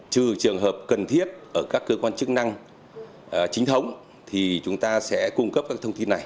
trừ trường hợp cần thiết ở các cơ quan chức năng chính thống thì chúng ta sẽ cung cấp các thông tin này